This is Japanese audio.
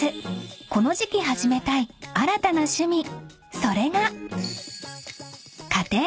この時期始めたい新たな趣味それが］